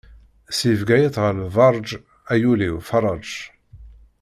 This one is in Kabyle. Si Bgayet ɣer Lberǧ, ay ul-iw ferreǧ!